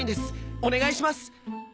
お願いします！